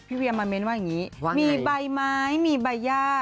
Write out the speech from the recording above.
พี่เวียงมาแมนต์ว่าอย่างนี้มีใบไม้มีใบญ้า